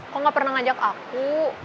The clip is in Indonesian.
kok gak pernah ngajak aku